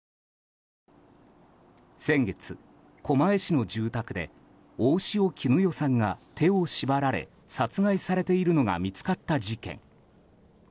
先月、狛江市の住宅で大塩衣與さんが手を縛られ、殺害されているのが見つかった事件。